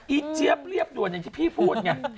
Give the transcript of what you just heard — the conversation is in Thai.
เจี๊ยบเรียบด่วนอย่างที่พี่พูดไง